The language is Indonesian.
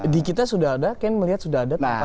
di kita sudah ada ken melihat sudah ada tahapan itu